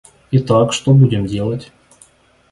Итак, что будем делать?